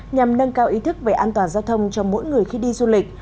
nhằm nâng cao ý thức về an toàn giao thông cho mỗi người khi đi du lịch